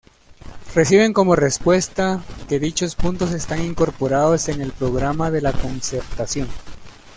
Reciben como respuesta que dichos puntos están incorporados en el Programa de la Concertación.